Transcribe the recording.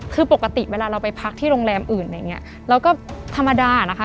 คือปกติเวลาเราไปพักที่โรงแรมอื่นอะไรอย่างเงี้ยเราก็ธรรมดานะคะ